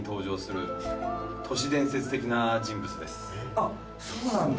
あっそうなんだ